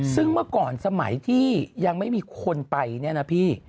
ซึ่งเมื่อก่อนสมัยที่ยังไม่มีคนไปเนี่ยนะพี่